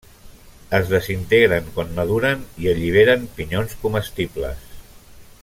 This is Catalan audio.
Es desintegren quan maduren i alliberen pinyons comestibles.